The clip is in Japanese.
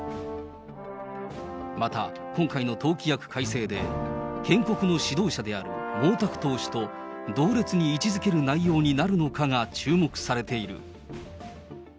また、今回の党規約改正で、建国の指導者である毛沢東氏と同列に位置づける内容になるのかが注目されている。